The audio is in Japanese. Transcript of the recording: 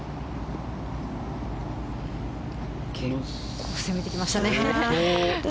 よく攻めてきましたね。